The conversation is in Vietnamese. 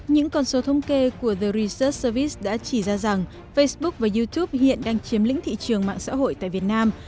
những con số thống kê của the research sevich đã chỉ ra rằng facebook và youtube hiện đang chiếm lĩnh thị trường mạng xã hội tại việt nam